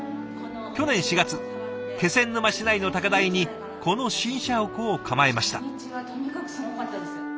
去年４月気仙沼市内の高台にこの新社屋を構えました。